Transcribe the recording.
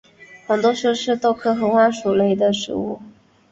黄豆树是豆科合欢属的植物。